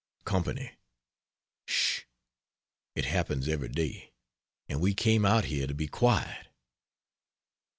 Company! (Sh! it happens every day and we came out here to be quiet.)